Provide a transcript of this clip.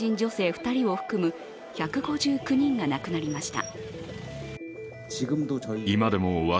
２人含む１５９人が亡くなりました。